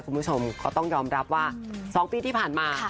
คุณผู้ชมก็ต้องยอมรับว่า๒ปีที่ผ่านมา